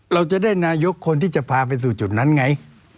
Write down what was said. เราจะได้นายกคนที่จะพาไปสู่จุดนั้นไง